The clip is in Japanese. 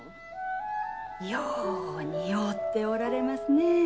よう似合うておられますね。